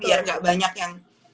biar gak banyak yang